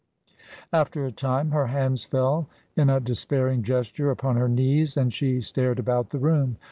After a time, her hands fell in a despairing gesture upon her knees and she stared about the room.